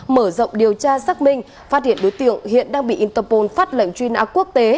mở rộng điều tra xác minh phát hiện đối tượng hiện đang bị interpol phát lệnh truy nã quốc tế